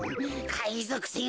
かいぞくせん！？